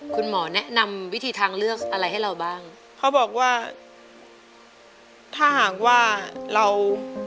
คุณหมอแนะนำวิธีทางเลือกอะไรให้เราบ้างเขาบอกว่าถ้าหากว่าเรา